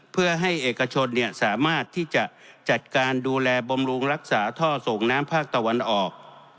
เพื่อให้เอกชนสามารถที่จะจัดการดูแลบำรุงรักษาท่อส่งน้ำภาคตะวันออก